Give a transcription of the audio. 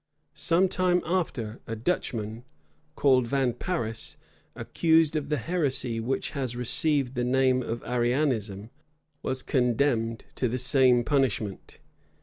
Some time after, a Dutchman, called Van Paris, accused of the heresy which has received the name of Arianism, was condemned to the same punishment.